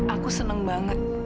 aku seneng banget